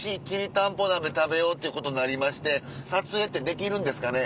たんぽ鍋食べようってことになりまして撮影ってできるんですかね？